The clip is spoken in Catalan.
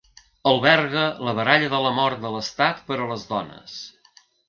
Alberga la baralla de la mort de l'estat per a les dones.